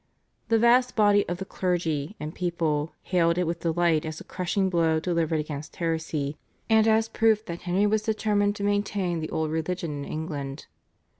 The vast body of the clergy and people hailed it with delight as a crushing blow delivered against heresy, and as proof that Henry was determined to maintain the old religion in England.